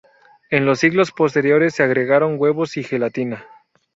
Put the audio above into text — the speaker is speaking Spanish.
En los siglos posteriores se agregaron huevos y gelatina.